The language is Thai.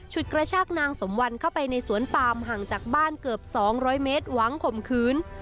กระชากนางสมวันเข้าไปในสวนปามห่างจากบ้านเกือบ๒๐๐เมตรหวังข่มขืน